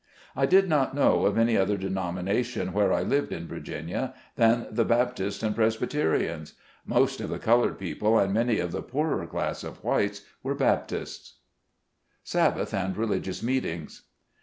I did not know of any other denomination where I lived in Virginia, than the Baptists and Presbyte rians. Most of the colored people, and many of the poorer class of whites, were Baptists. 202 SKETCHES OF SLAVE LIFE. SABBATH AND RELIGIOUS MEETINGS.